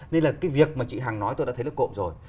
nên là cái việc mà chị hằng nói tôi đã thấy là cộm rồi